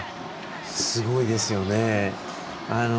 すごいですよね。